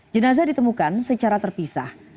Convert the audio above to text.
jenazah ditemukan secara terpisah